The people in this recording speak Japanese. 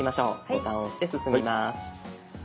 ボタンを押して進みます。